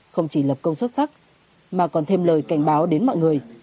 không chỉ lập công xuất sắc mà còn thêm lời cảnh báo đến mọi người